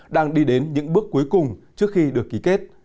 đang đi đến những bước cuối cùng trước khi được ký kết